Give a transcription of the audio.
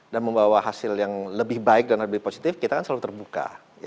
dan membawa hasil yang lebih baik dan lebih positif kita kan selalu terbuka